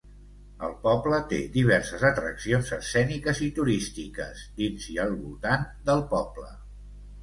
El poble té diverses atraccions escèniques i turístiques dins i al voltant del poble.